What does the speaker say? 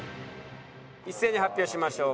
一斉に発表しましょう。